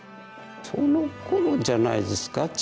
そのころじゃないですか？